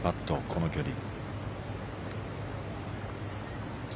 この距離。